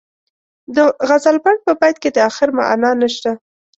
د غزلبڼ په بیت کې د اخر معنا نشته.